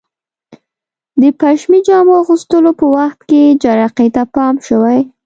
د پشمي جامو اغوستلو په وخت کې جرقې ته پام شوی؟